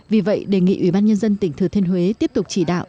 vì vậy đề nghị ủy ban nhân dân tỉnh thừa thiên huế tiếp tục chỉ đạo